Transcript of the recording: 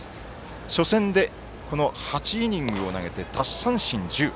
初戦で、この８イニングを投げて奪三振１０。